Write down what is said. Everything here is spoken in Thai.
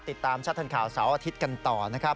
ติดตามชัดทันข่าวเสาร์อาทิตย์กันต่อนะครับ